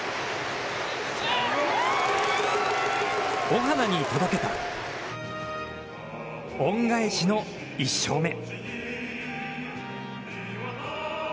オハナに届けた恩返しの１勝目。